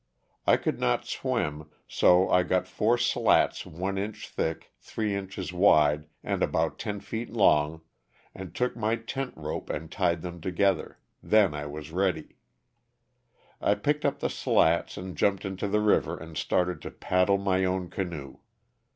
I could not swim, so I got four slats one inch thick, three inches wide and about ten feet long, and took my tent rope and tied them together — then I was ready. I picked up the slats and jumped into the river and started to "paddle my own canoe.''